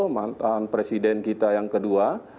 mantan presiden kita yang kedua